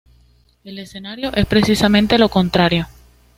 El escenario es precisamente lo contrario.